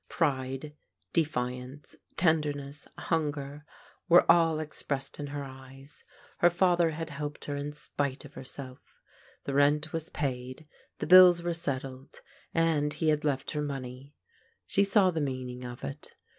Pride, defiance, tenderness, hunger, were all expressed in her eyes. Her father \lzAl Vis\^^«^.\Nftx "SacL 294 PBODIGAL DAUGHTEBS spite of herself. The rent was paid, the bills were settled, and he had left her money. She saw the mean ing of it.